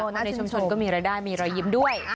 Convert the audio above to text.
ในชุมชนก็มีรายได้มีรอยยิ้มด้วย